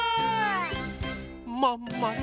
まんまる